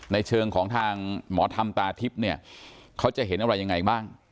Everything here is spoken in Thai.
ในเชิงของทางหมอทำตาทิพย์เขาจะเห็นอะไรอย่างไรบ้าง